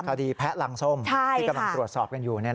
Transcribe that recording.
แพะรังส้มที่กำลังตรวจสอบกันอยู่